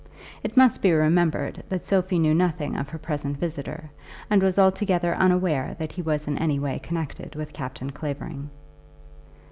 It must be remembered that Sophie knew nothing of her present visitor, and was altogether unaware that he was in any way connected with Captain Clavering.